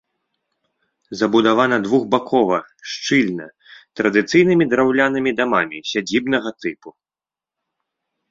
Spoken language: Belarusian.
Забудавана двухбакова, шчыльна, традыцыйнымі драўлянымі дамамі сядзібнага тыпу.